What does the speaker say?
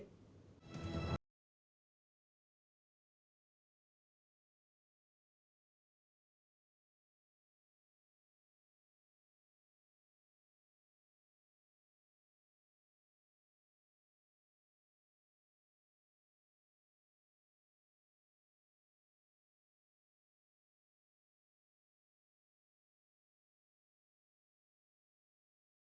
hẹn gặp lại các bạn trong những video tiếp theo